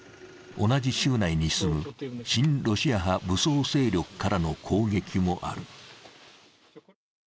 同じ州内に住む親ロシア派武装勢力からの攻撃もある。